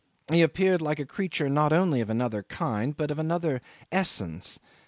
He appeared like a creature not only of another kind but of another essence.